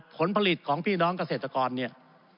ผลผลิตของพี่น้องเกษตรกรเนี่ย